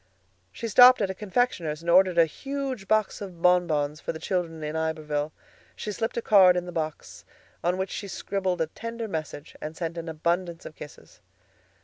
She stopped at a confectioner's and ordered a huge box of bonbons for the children in Iberville. She slipped a card in the box, on which she scribbled a tender message and sent an abundance of kisses.